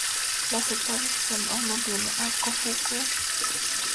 La secta aún mantiene a Kōfuku-ji y Yakushi-ji.